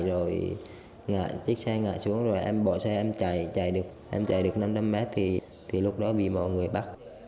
rồi chiếc xe ngại xuống rồi em bỏ xe em chạy chạy được năm năm mét thì lúc đó bị mọi người bắt